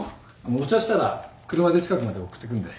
お茶したら車で近くまで送ってくんで。